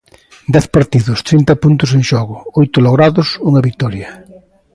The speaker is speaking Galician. Dez partidos, trinta puntos en xogo, oito logrados, unha vitoria.